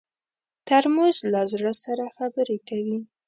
ترموز له زړه سره خبرې کوي.